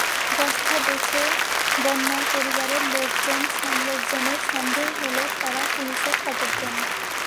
বস্তা দেখে বন্যার পরিবারের লোকজনের সন্দেহ হলে তাঁরা পুলিশে খবর দেন।